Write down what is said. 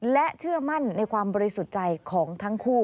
และเชื่อมั่นในความบริสุทธิ์ใจของทั้งคู่